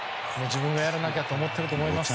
自分がやらなきゃと思っていると思います。